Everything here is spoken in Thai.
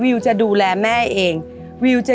วันนี้เจ๊คิมและน้องจ๊ะบุกมาที่ร้านข้าวซอยมาดามแอน